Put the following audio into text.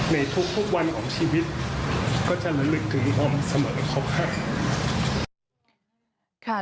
ในทุกวันของชีวิตก็จะละลึกถึงหม่อมเสมอครบ๕